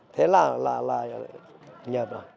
thế là nhập rồi